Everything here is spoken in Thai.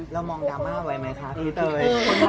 เรามองดราม่าไว้ไหมคะพี่เตย